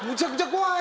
怖い